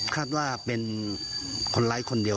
คาดว่าเป็นคนร้ายคนเดียว